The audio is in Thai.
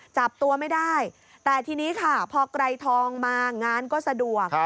จับตัวไม่ได้แต่ทีนี้ค่ะพอไกรทองมางานก็สะดวก